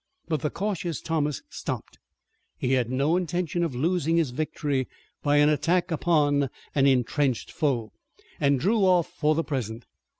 But the cautious Thomas stopped. He had no intention of losing his victory by an attack upon an intrenched foe, and drew off for the present.